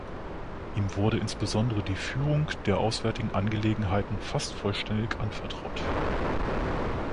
Ihm wurde insbesondere die Führung der auswärtigen Angelegenheiten fast vollständig anvertraut.